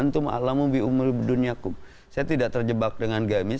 saya tidak terjebak dengan gamis